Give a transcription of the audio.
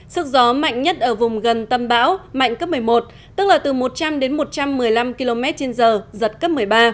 sức gió mạnh nhất ở vùng gần tâm bão mạnh cấp một mươi một tức là từ một trăm linh đến một trăm một mươi năm km trên giờ giật cấp một mươi ba